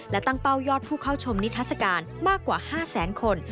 และตั้งเป้ายอดผู้เข้าชมนิทัศกาลมากกว่า๕แสนคน